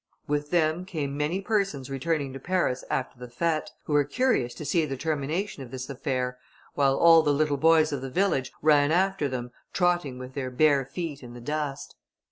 With them came many persons returning to Paris after the fête, who were curious to see the termination of this affair, while all the little boys of the village ran after them, trotting with their bare feet in the dust.